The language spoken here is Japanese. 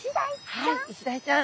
はいイシダイちゃん！